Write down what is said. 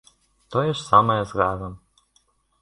Тое ж самае з газам.